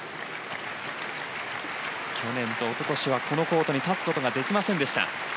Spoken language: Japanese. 去年と一昨年はこのコートに立つことができませんでした。